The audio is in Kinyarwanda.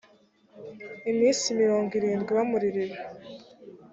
iminsi mirongo irindwi bamuririra